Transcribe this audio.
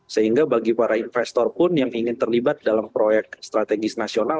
sehingga bagi para investor pun yang ingin terlibat dalam proyek strategis nasional